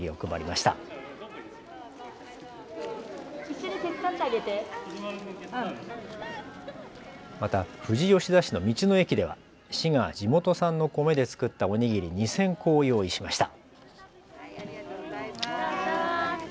また、富士吉田市の道の駅では市が地元産の米で作ったおにぎり２０００個を用意しました。